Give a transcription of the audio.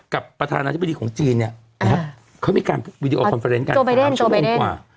กับประธานาธิบดีของจีนเนี่ยเขามีการวิดีโอคอนเฟอร์เรนด์กัน๓ชั่วโมงกว่า